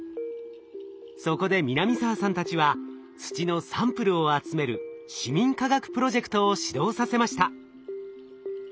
そこで南澤さんたちは土のサンプルを集める市民科学プロジェクトを始動させました。